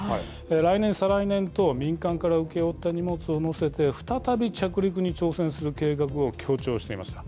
来年、再来年と、民間から請け負った荷物を載せて、再び着陸に挑戦する計画を強調していました。